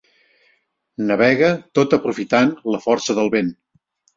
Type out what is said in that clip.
Navega tot aprofitant la força del vent.